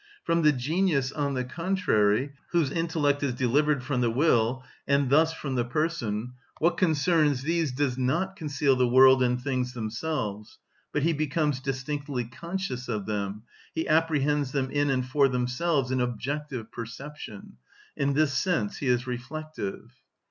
From the genius, on the contrary, whose intellect is delivered from the will, and thus from the person, what concerns these does not conceal the world and things themselves; but he becomes distinctly conscious of them, he apprehends them in and for themselves in objective perception; in this sense he is reflective.